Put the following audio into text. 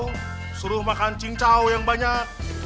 jika dia lagi galau suruh makan cincau yang banyak